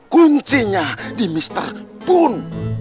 kuncinya di mr pun